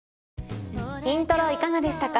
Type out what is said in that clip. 『イントロ』いかがでしたか？